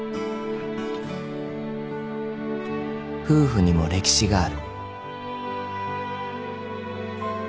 ［夫婦にも歴史がある］